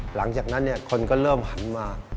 หลังจากนั้นคนก็เริ่มหันมา